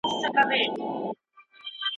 پالني په محدود او خاص مفهوم ــ په نامه، دوهمي